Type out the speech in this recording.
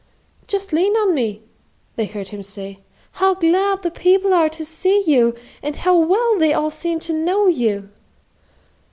"Just lean on me," they heard him say. "How glad the people are to see you, and how well they all seem to know you!"